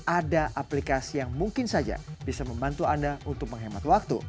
ada aplikasi yang mungkin saja bisa membantu anda untuk menghemat waktu